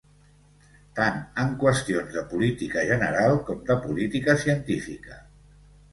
Tant en qüestions de política general com de política científica.